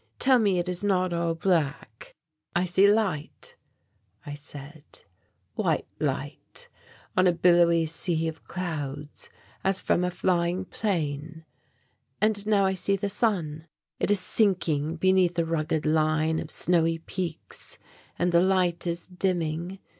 Tell me it is not all black." "I see light," I said, "white light, on a billowy sea of clouds, as from a flying plane.... And now I see the sun it is sinking behind a rugged line of snowy peaks and the light is dimming....